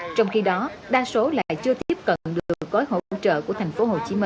trong khi đó đa số lại chưa tiếp cận được gói hỗ trợ của tp hcm